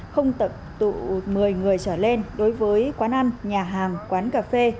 không tập tụ một mươi người trở lên đối với quán ăn nhà hàng quán cà phê